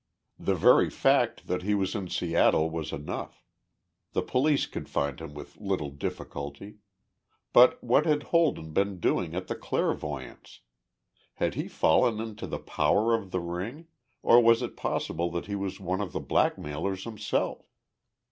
The very fact that he was in Seattle was enough. The police could find him with little difficulty. But what had Holden been doing at the clairvoyant's? Had he fallen into the power of the ring or was it possible that he was one of the blackmailers himself?